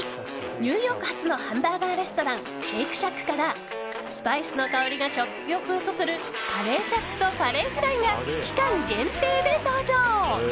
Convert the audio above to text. ニューヨーク発のハンバーガーレストランシェイクシャックからスパイスの香りが食欲をそそるカレーシャックとカレーフライが期間限定で登場。